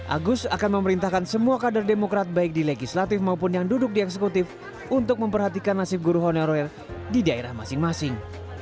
agus akan memerintahkan semua kader demokrat baik di legislatif maupun yang duduk di eksekutif untuk memperhatikan nasib guru honorer di daerah masing masing